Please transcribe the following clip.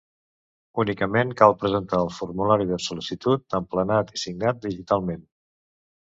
Únicament cal presentar el formulari de sol·licitud emplenat i signat digitalment.